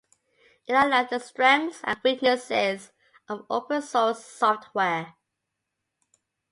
It outlines the strengths and weaknesses of open source software.